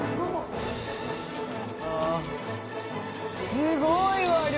すごいわ量。